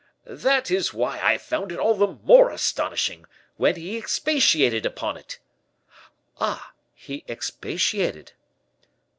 "That is why I found it all the more astonishing, when he expatiated upon it." "Ah! he expatiated?"